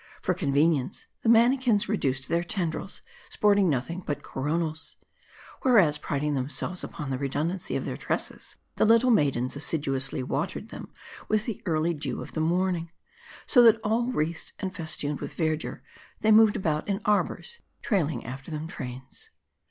For convenience, the manikins reduced their tendrils, sporting nothing but coron als. Whereas, priding themselves upon the redundancy of their tresses, the little maidens assiduously watered them with the early dew of the morning ; so that all wreathed and festooned with verdure, they moved about in arbors, trailing after them trains."